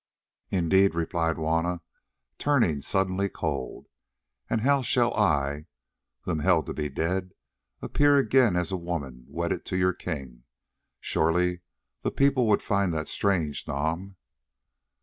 "Indeed," replied Juanna, turning suddenly cold; "and how shall I, who am held to be dead, appear again as a woman wedded to your king? Surely the people would find that strange, Nam?"